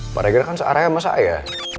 pak reger kan searah sama saya